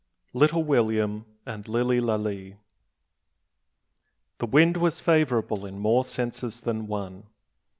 LITTLE WILLIAM AND LILLY LALEE. The wind was favourable in more senses than one.